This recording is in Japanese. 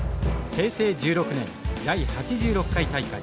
平成１６年第８６回大会。